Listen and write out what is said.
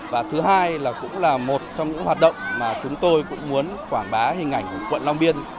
và thứ hai là cũng là một trong những hoạt động mà chúng tôi cũng muốn quảng bá